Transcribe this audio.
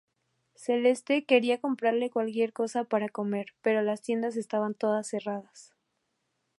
Celeste quería comprarle cualquier cosa para comer, pero las tiendas estaban todas cerradas.